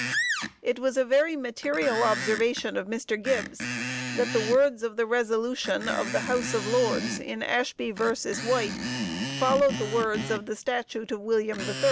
_ It was a very material observation of Mr. Gibbs, that the words of the resolution of the House of Lords in Ashby v. White followed the words of the statute of William III.